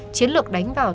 chiến lược đánh vào